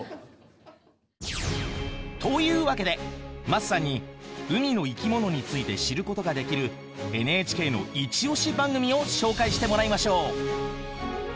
というわけで桝さんに海の生き物について知ることができるＮＨＫのイチオシ番組を紹介してもらいましょう。